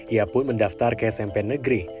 ia pun mendaftar ke smp negeri